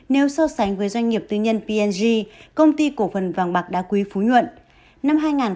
nếu so sánh với doanh nghiệp tư nhân p g công ty cổ phần vàng bạc đa quý phú nhuận